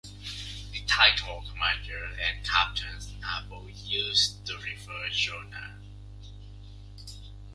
The titles "Commander" and "Captain" are both used to refer to Jonah.